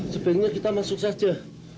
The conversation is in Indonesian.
sepertinya kita masuk saja